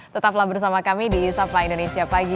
tetaplah bersama kami di sapa indonesia pagi